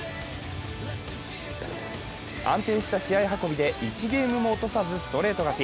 安定した試合運びで１ゲームも落とさずストレート勝ち。